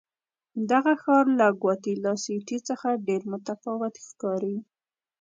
دغه ښار له ګواتیلا سیټي څخه ډېر متفاوت ښکاري.